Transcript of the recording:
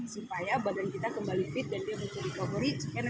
supaya badan kita kembali fit dan dia bisa recovery